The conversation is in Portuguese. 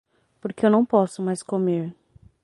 Porque eu não posso mais comer.